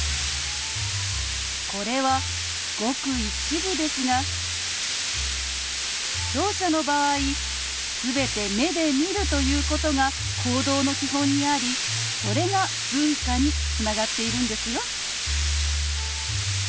これはごく一部ですがろう者の場合全て目で見るということが行動の基本にありそれが文化につながっているんですよ。